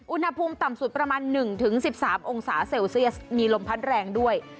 อุณหภูมิต่ำสุดประมาณ๑๑๓องศาเซลเซียสมีลมพัดแรงด้วย